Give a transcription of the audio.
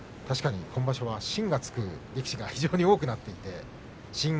確かに今場所は新がつく力士が多くなっています。